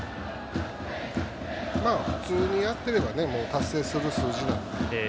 普通にやっていれば達成する数字なので。